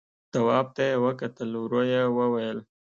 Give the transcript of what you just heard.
تواب ته يې وکتل، ورو يې وويل: